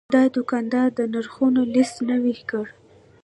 دا دوکاندار د نرخونو لیست نوي کړ.